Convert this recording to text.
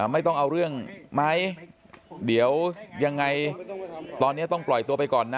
ไม่ต้องเอาเรื่องไหมเดี๋ยวยังไงตอนนี้ต้องปล่อยตัวไปก่อนนะ